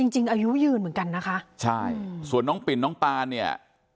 จริงจริงอายุยืนเหมือนกันนะคะใช่ส่วนน้องปิ่นน้องปานเนี่ย